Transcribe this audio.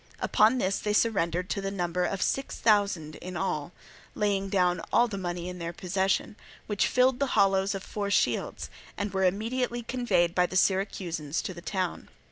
Upon this they surrendered to the number of six thousand in all, laying down all the money in their possession, which filled the hollows of four shields, and were immediately conveyed by the Syracusans to the town.